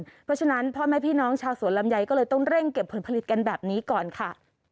เพราะฉะนั้นพ่อแม่พี่น้องชาวสวนลำไยก็เลยต้องเร่งเก็บผลผลิตกันแบบนี้ก่อนค่ะ